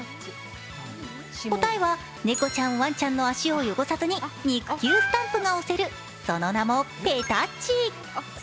答えは猫ちゃん、ワンちゃんの足を汚さずに肉球スタンプが押せるその名も、ぺたっち。